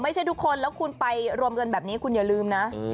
ทุกคนแล้วคุณไปรวมกันแบบนี้คุณอย่าลืมนะ